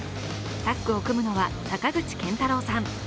タッグを組むのは坂口健太郎さん。